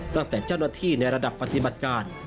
เจ้าหน้าที่ในระดับปฏิบัติการ